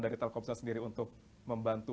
dari telkomsel sendiri untuk membantu